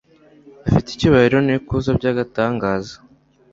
afite icyubahiro n'ikuzo by'agatangaza